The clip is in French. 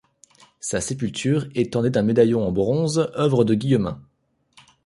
Sa sépulture est ornée d’un médaillon en bronze œuvre de Guillemin.